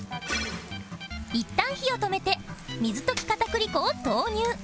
いったん火を止めて水溶き片栗粉を投入